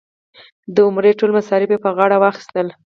د عمرې ټول مصارف یې په غاړه واخیستل.